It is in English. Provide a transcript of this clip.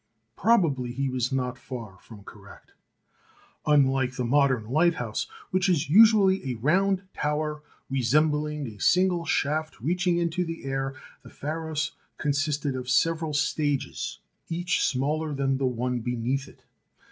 Probably he was not far from correct. Unlike the modern lighthouse, which is usually a round tower resembling a single shaft reaching into the air, the Pharos consisted of several stages, each smaller than the one beneath it.